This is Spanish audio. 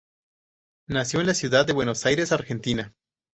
Nació en la ciudad de Buenos Aires, Argentina.